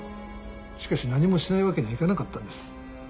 しかし何もしないわけにはいかなかったんです。